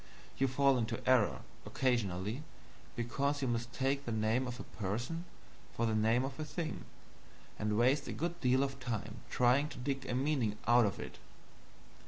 You fall into error occasionally, because you mistake the name of a person for the name of a thing, and waste a good deal of time trying to dig a meaning out of it.